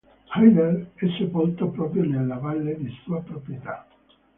Haider è sepolto proprio nella valle di sua proprietà.